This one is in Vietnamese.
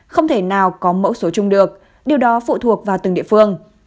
không thể nào có mẫu số chung được điều đó phụ thuộc vào từng địa phương